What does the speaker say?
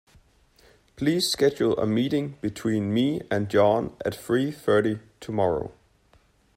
Please schedule a meeting between me and John at three thirty tomorrow.